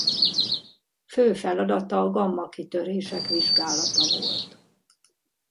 Fő feladata a gamma-kitörések vizsgálata volt.